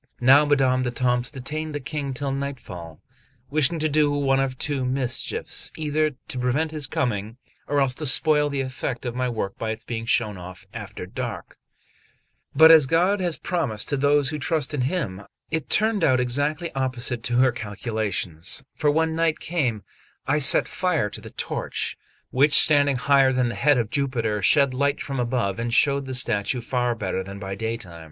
Now Madame d'Etampes detained the King till nightfall, wishing to do one of two mischiefs, either to prevent his coming, or else to spoil the effect of my work by its being shown off after dark; but as God has promised to those who trust in Him, it turned out exactly opposite to her calculations; for when night came, I set fire to the torch, which standing higher than the head of Jupiter, shed light from above and showed the statue far better than by daytime.